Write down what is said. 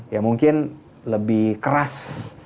ya mungkin lebih keras